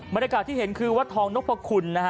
บรรยากาศที่เห็นคือวัดทองนพคุณนะฮะ